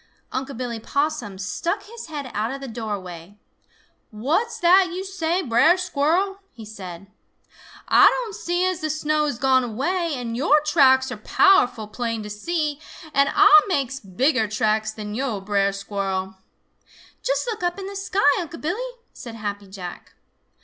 Unc' Billy Possum stuck his head out of the doorway. "What's that yo' say, Brer Squirrel?" he said. "Ah don' see as the snow has gone away, and your tracks are powerful plain to see, and Ah makes bigger tracks than yo', Brer Squirrel." "Just look up in the sky, Unc' Billy!" said Happy Jack.